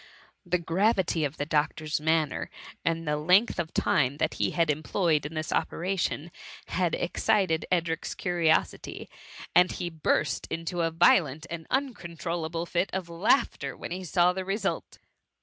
The gravity of the doctor's manner, and the length of time that he had employed in this operation, had excited Edric's curiosity, and he burst into a violent and uncontrollable fit of "laughter wli*en he saw the result.